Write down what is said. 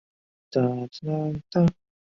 第三季主持人为何炅和刘宪华。